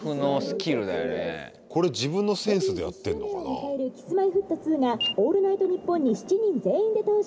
「Ｋｉｓ−Ｍｙ−Ｆｔ２が『オールナイトニッポン』に７人全員で登場」。